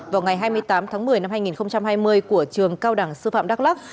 vào ngày hai mươi tám tháng một mươi năm hai nghìn hai mươi của trường cao đẳng sư phạm đắk lắc